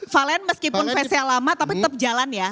valen meskipun fansnya lama tapi tetap jalan ya